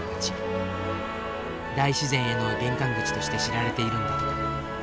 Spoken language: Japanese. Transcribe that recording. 大自然への玄関口として知られているんだとか。